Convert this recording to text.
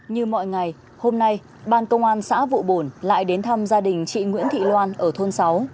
như mọi ngày hôm nay ban công an xã vụ bổn lại đến thăm gia đình chị nguyễn thị loan ở thôn sáu